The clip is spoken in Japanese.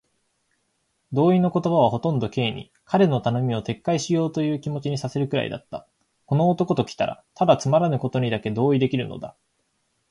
同意の言葉はほとんど Ｋ に、彼の頼みを撤回しようというという気持にさせるくらいだった。この男ときたら、ただつまらぬことにだけ同意できるのだ。